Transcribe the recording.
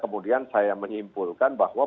kemudian saya menyimpulkan bahwa